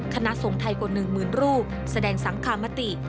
คณะส่งไทยกว่าหนึ่งหมื่นรูปแสดงสังคามติ